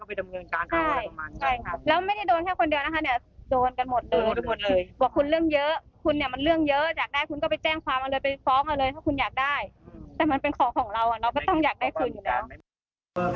ไปฟ้องเอาเลยถ้าคุณอยากได้แต่มันเป็นของของเราอ่ะเราก็ต้องอยากได้คืนอยู่แล้ว